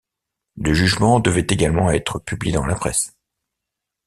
Le jugement devait également être publié dans la presse.